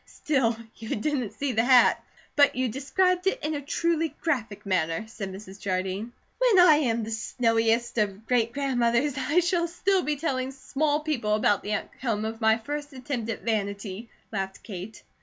"Still, you didn't see the hat!" "But you described it in a truly graphic manner," said Mrs. Jardine. "When I am the snowiest of great grandmothers, I shall still be telling small people about the outcome of my first attempt at vanity," laughed Kate.